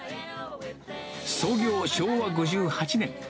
創業昭和５８年。